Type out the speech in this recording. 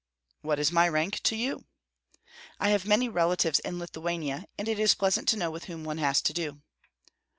"What is my rank to you?" "I have many relatives in Lithuania, and it is pleasant to know with whom one has to do."